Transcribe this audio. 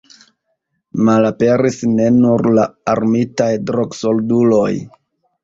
Malaperis ne nur la armitaj drogsolduloj.